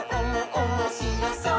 おもしろそう！」